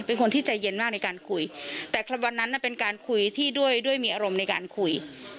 เป็นคนที่ใจเย็นมากในการคุยแต่วันนั้นเป็นการคุยที่ด้วยด้วยมีอารมณ์ในการคุย